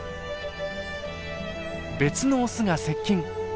別のオスが接近！